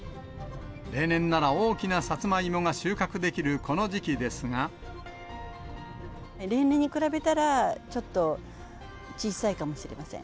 例年なら大きなさつまいもが収穫例年に比べたら、ちょっと小さいかもしれません。